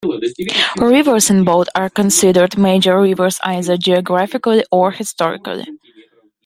Rivers in bold are considered major rivers either geographically or historically.